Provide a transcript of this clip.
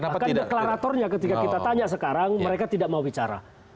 bahkan deklaratornya ketika kita tanya sekarang mereka tidak mau bicara